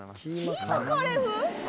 キーマカレー風？